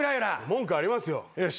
文句ありますよ。